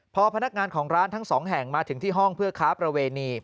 พอพนักงานของร้านทั้งสองแห่งมาถึงที่ห้องเพื่อค้าประเวณี